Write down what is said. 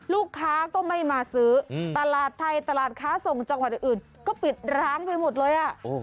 ลูกค้าก็ไม่มาซื้อตลาดไทยตลาดค้าส่งจังหวัดอื่นก็ปิดร้างไปหมดเลย